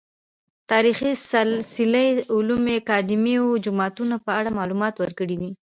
تاريخي څلي، علومو اکادميو، جوماتونه په اړه معلومات ورکړي دي